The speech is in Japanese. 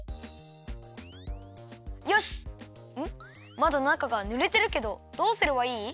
まだ中がぬれてるけどどうすればいい？